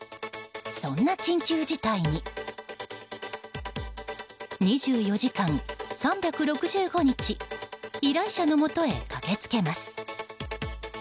そんな緊急事態に２４時間３６５日依頼者のもとへ駆けつけます。